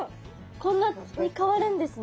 こんなに変わるんですね。